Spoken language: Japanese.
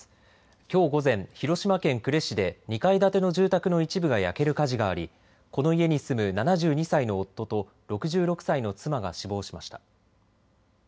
きょう午前、広島県呉市で２階建ての住宅の一部が焼ける火事があり、この家に住む７２歳の夫と６６歳の妻が死亡しました。